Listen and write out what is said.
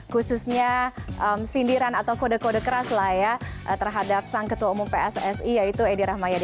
khususnya sindiran atau kode kode keras lah ya terhadap sang ketua umum pssi yaitu edi rahmayadi